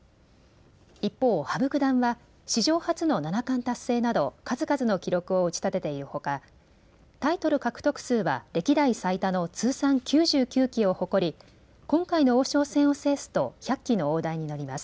一方、羽生九段は史上初の七冠達成など数々の記録を打ち立てているほかタイトル獲得数は歴代最多の通算９９期を誇り今回の王将戦を制すと１００期の大台に乗ります。